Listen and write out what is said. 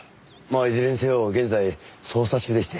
まあいずれにせよ現在捜査中でして。